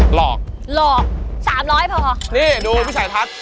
หลอกหลอก๓๐๐บาทพอนี่ดูพี่ชายทัศน์